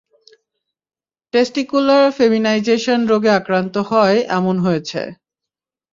Testicular feminisation রোগে আক্রান্ত হওয়ায় এমন হয়েছে।